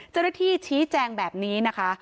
เจ้าหน้าที่ชี้แจงแบบนี้นะคะ